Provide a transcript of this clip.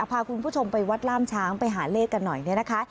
พาคุณผู้ชมไปวัดล่ามช้างไปหาเลขกันหน่อยเนี่ยนะคะ